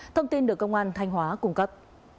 thông tin được công an thanh hóa cung cấp